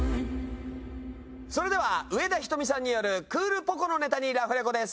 それでは上田瞳さんによるクールポコ。のネタにラフレコです。